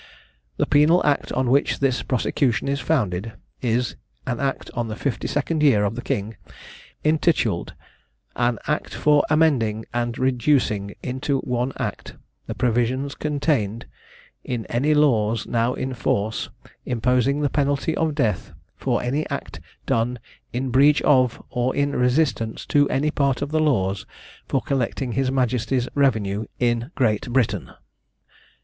The penal act on which this prosecution is founded, is an act of the 52nd year of the king, intituled, "An act for amending and reducing into one act, the provisions contained in any laws now in force, imposing the penalty of death, for any act done in breach of or in resistance to any part of the laws, for collecting His Majesty's revenue in Great Britain."